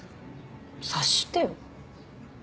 察してよ。